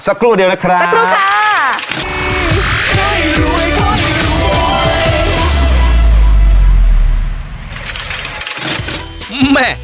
สักครู่เดียวนะครับสักครู่ค่ะ